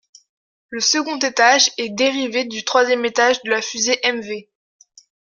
Le second étage est dérivé du troisième étage de la fusée M-V.